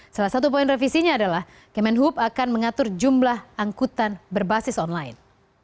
salah satu poin revisinya adalah kemenhub akan mengatur jumlah angkutan berbasis online